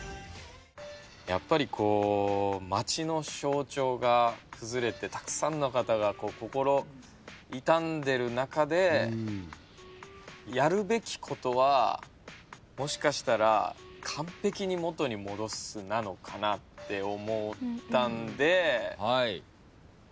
やっぱり町の象徴が崩れてたくさんの方が心痛んでる中でやるべきことはもしかしたら完璧に元に戻すなのかなって思ったんで。